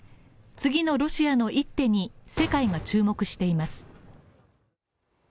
次のロシアの一手に世界が注目しています。